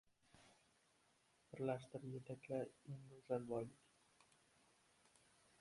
Birlashtir, yetakla! Eng go‘zal boylik!